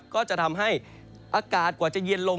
ก็จะทำให้อากาศกว่าจะเย็นลง